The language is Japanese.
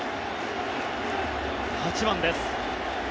８番です。